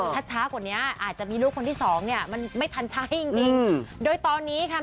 ถ้าช้ากว่านี้อาจจะมีลูกคนที่สองเนี่ยมันไม่ทันใช้จริงจริงโดยตอนนี้ค่ะ